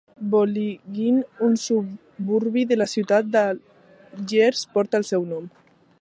Bologhine, un suburbi de la ciutat d'Algiers, porta el seu nom.